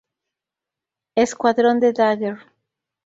Escuadrón de Dagger.